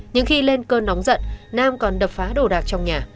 nhưng khi lên cơn nóng giận nam còn đập phá đồ đạc trong nhà